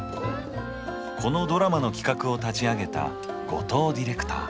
このドラマの企画を立ち上げた後藤ディレクター。